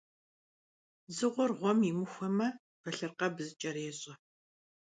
Dzığuer ğuem yimıxueme, felhırkheb zıç'erêş'e.